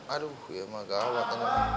aduh ya mah gawat